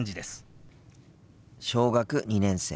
小学２年生。